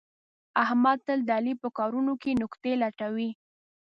احمد تل د علي په کارونو کې نکتې لټوي.